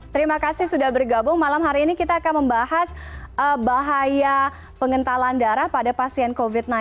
terima kasih sudah bergabung malam hari ini kita akan membahas bahaya pengentalan darah pada pasien covid sembilan belas